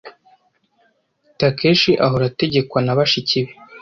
Takeshi ahora ategekwa na bashiki be.